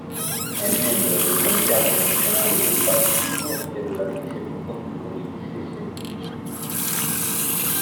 È membro del comitato nazionale del partito e relatrice di incontri politici e scientifici.